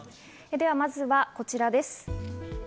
ではまずはこちらです。